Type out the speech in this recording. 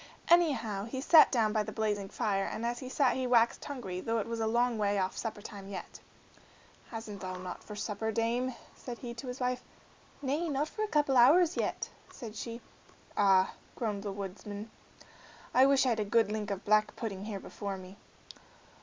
Anyhow down he sat by the blazing fire, and as he sat he waxed hungry, though it was a long way off supper time yet. "Hasn't thou naught for supper, dame?" said he to his wife. "Nay, not for a couple of hours yet," said she. "Ah!" groaned the woodman, "I wish I'd a good link of black pudding here before me."